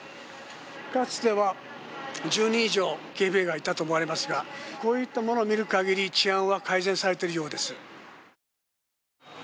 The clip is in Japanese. かつては１０人以上、警備兵がいたと思われますがこういったものを見るかぎり治安は改善されているようです。